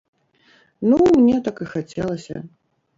Ну, мне так і хацелася.